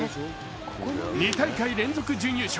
２大会連続準優勝